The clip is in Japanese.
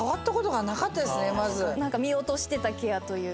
見落としてたケアというか。